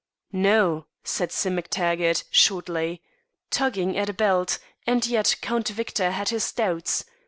"No!" said Sim MacTaggart shortly, tugging at a belt, and yet Count Victor had his doubts.